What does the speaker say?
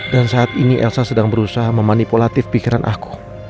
dan saat ini elsa sedang berusaha memanipulatif pikiran aku